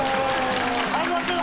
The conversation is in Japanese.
始まってる！